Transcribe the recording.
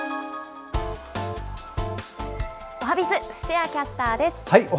おはＢｉｚ、布施谷キャスターです。